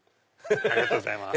ありがとうございます。